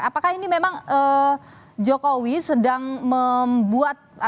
apakah ini memang jokowi sedang membuat